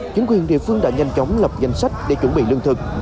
chính quyền địa phương đã nhanh chóng lập danh sách để chuẩn bị lương thực